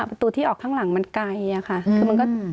ประตูที่ออกข้างหลังมันไกลอะค่ะคือมันก็